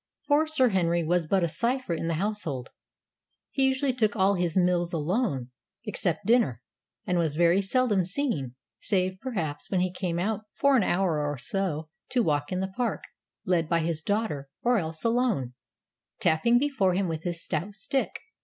Poor Sir Henry was but a cipher in the household. He usually took all his meals alone, except dinner, and was very seldom seen, save perhaps when he would come out for an hour or so to walk in the park, led by his daughter, or else, alone, tapping before him with his stout stick.